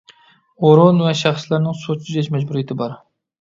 ئورۇن ۋە شەخسلەرنىڭ سۇ تېجەش مەجبۇرىيىتى بار.